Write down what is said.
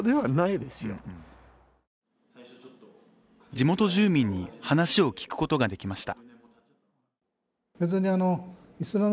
地元住民に話を聞くことができました。